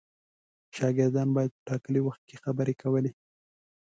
شاګردان باید په ټاکلي وخت کې خبرې کولې.